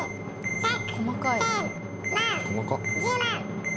あっ！